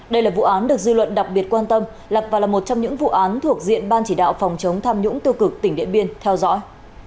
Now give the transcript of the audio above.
đây là vụ án được dư luận đặc biệt quan tâm lập và là một trong những vụ án thuộc diện ban chỉ đạo phòng chống tham nhũng tư cực tỉnh điện biên theo dõi